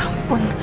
dan mereka bercerai